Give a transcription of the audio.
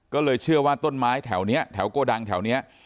ก็เลยเชื่อว่าต้นไม้แถวนี้แถวโกดังแถวนี้